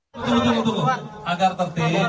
tunggu tunggu tunggu agar tertik